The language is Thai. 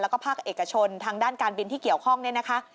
แล้วก็ภาคเอกชนทางด้านการบินที่เกี่ยวข้องเนี่ยนะคะ